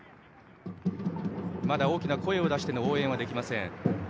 まだ大きな声を出しての応援はできません。